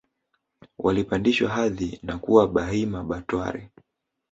walipandishwa hadhi na kuwa Bahima Batware